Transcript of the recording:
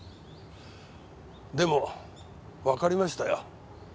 でもわかりましたよ。